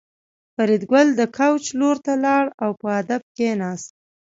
فریدګل د کوچ لور ته لاړ او په ادب کېناست